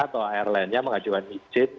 atau airlinenya mengajukan izin